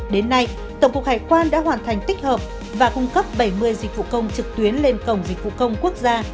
đến nay tổng cục hải quan đã hoàn thành tích hợp và cung cấp bảy mươi dịch vụ công trực tuyến lên cổng dịch vụ công quốc gia